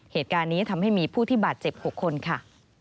เหตุการณ์นี้ทำให้มีผู้ที่บาดเจ็บ๖คนค่ะ